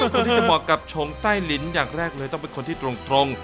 คนที่จะเหมาะกับชงใต้ลิ้นอย่างแรกเลยต้องเป็นคนที่ตรง